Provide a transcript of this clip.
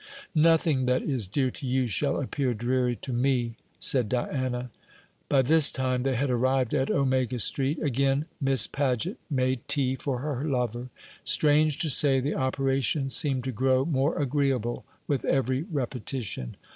"Nothing that is dear to you shall appear dreary to me," said Diana. By this time they had arrived at Omega Street. Again Miss Paget made tea for her lover. Strange to say, the operation seemed to grow more agreeable with every repetition.